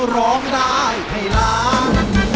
ร้องได้ให้ล้าน